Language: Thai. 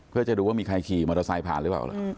เพื่อจะดูว่ามีใครขี่มอเตอร์ไซค์ผ่านหรือเปล่า